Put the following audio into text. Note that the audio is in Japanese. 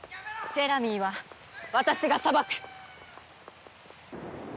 ジェラミーは私が裁く！